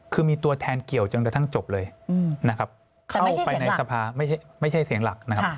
คือมีตัวแทนเกี่ยวจนกระทั่งจบเลยนะครับเข้าไปในสภาไม่ใช่เสียงหลักนะครับ